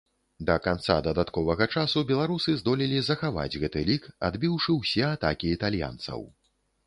Да канца дадатковага часу беларусы здолелі захаваць гэты лік, адбіўшы ўсе атакі італьянцаў.